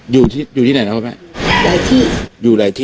อยู่ที่อยู่ที่ไหนแล้วครับแม่หลายที่อยู่หลายที่